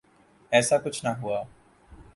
ایسا کچھ نہ ہوا۔